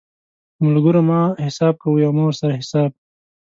په ملګرو مه حساب کوئ او مه ورسره حساب